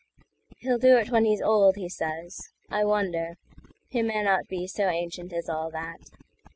He'll do it when he's old, he says. I wonder. He may not be so ancient as all that.